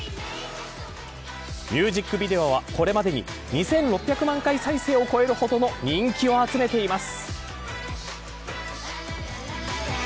ミュージックビデオはこれまでに２６００万回再生を超えるほどの人気を集めています。